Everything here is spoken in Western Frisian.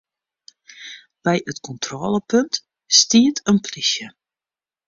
By it kontrôlepunt stiet in plysje.